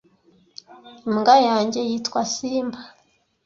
Imbwa yanjye yitwa Simba